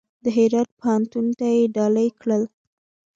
د هرات پوهنتون ته یې ډالۍ کړل.